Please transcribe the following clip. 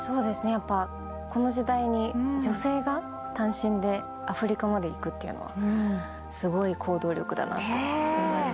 この時代に女性が単身でアフリカまで行くっていうのはすごい行動力だなと思います。